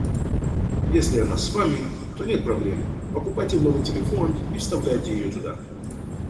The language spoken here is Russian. Если она с вами, то нет проблем - покупаете новый телефон и вставляете ее туда.